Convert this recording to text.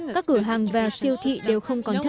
các cửa hàng và siêu thị đều không có bánh mì